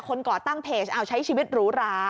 ก่อตั้งเพจเอาใช้ชีวิตหรูหรา